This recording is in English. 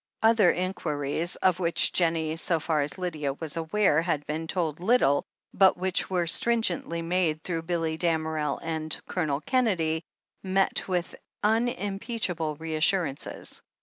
Other inquiries, of which Jen nie, so far as Lydia was aware, had been told little, but which were stringently made through Billy Dam erel and Colonel Kennedy, met with unimpeachable re assurances.